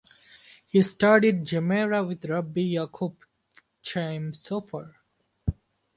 He studied Gemara with Rabbi Yaakov Chaim Sofer.